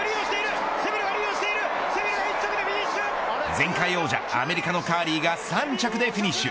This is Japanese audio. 前回王者アメリカのカーリーが３着でフィニッシュ。